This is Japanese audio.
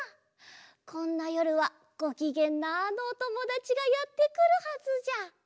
こんなよるはごきげんなあのおともだちがやってくるはずじゃ。